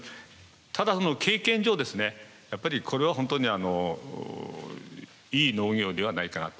ただその経験上やっぱりこれは本当にいい農業ではないかなと。